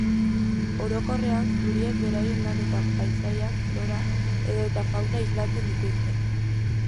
Orokorrean, zuriek beraien lanetan paisaiak, flora edota fauna islatzen dituzte.